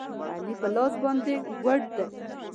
علي په لاس باندې ګوډ دی.